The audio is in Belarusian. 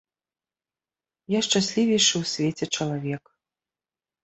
Я шчаслівейшы ў свеце чалавек!